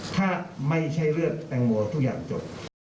ถ้าไม่ใช่เรื่องแตงโมทุกอย่างจบ